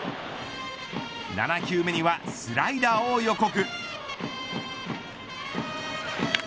７球目にはスライダーを予告。